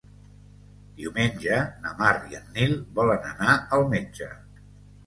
Diumenge na Mar i en Nil volen anar al metge.